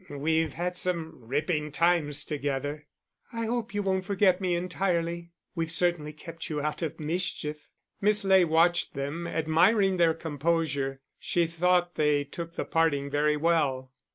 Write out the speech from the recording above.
"We've had some ripping times together." "I hope you won't forget me entirely. We've certainly kept you out of mischief." Miss Ley watched them, admiring their composure. She thought they took the parting very well.